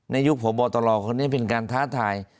ยุคพบตรคนนี้เป็นการท้าทาย